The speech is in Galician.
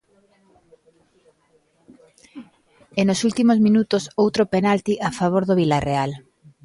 E nos últimos minutos outro penalti a favor do Vilarreal.